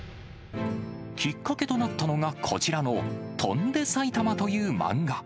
きっかけとなったのが、こちらの翔んで埼玉という漫画。